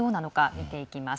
見ていきます。